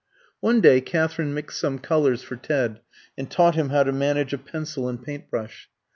One day Katherine mixed some colours for Ted and taught him how to manage a pencil and paint brush.